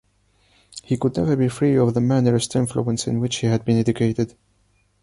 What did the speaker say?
He could never be free of the Mannerist influence in which he had been educated.